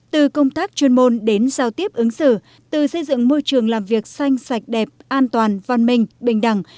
từ công tác chuyên môn đến giao tiếp ứng xử từ xây dựng môi trường làm việc xanh sạch đẹp an toàn văn minh bình đẳng